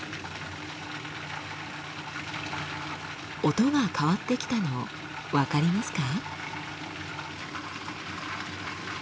音が変わってきたの分かりますか？